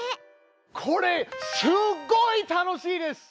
これすっごい楽しいです！